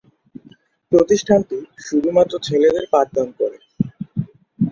প্রতিষ্ঠানটি শুধুমাত্র ছেলেদের পাঠদান করে।